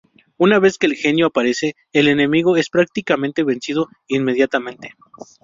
Una vez que el genio aparece, el enemigo es prácticamente vencido inmediatamente.